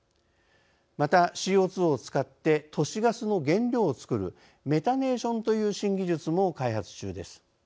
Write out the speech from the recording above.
またＣＯ２を使って都市ガスの原料を作るメタネーションという新技術も開発中です。